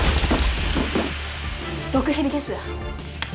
毒蛇です。